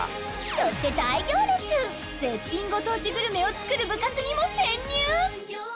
そして絶品ご当地グルメを作る部活にも潜入！